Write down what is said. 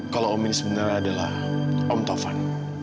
kalau om ini sebenarnya adalah om taufan